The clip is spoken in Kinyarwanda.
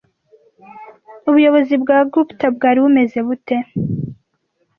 Ubuyobozi bwa Gupta bwari bumeze bute